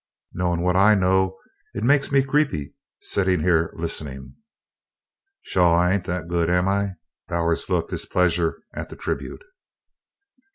"Knowin' what I know, it makes me creepy settin' here listenin'." "Shoo! I ain't that good, am I?" Bowers looked his pleasure at the tribute.